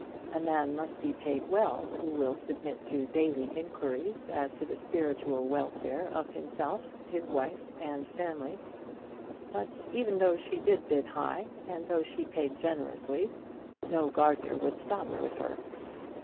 A man must be paid well who will submit to daily inquiries as to the spiritual welfare of himself, his wife, and family. But even though she did bid high, and though she paid generously, no gardener would stop with her.